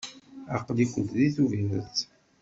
Aql-ikent deg Tubiret.